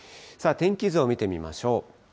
天気図を見てみましょう。